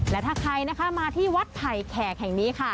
และถ้าใครนะคะมาที่วัดไผ่แขกแห่งนี้ค่ะ